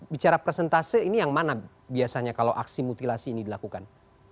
bicara persentase ini yang mana biasanya kalau aksi mutilasi ini dilakukan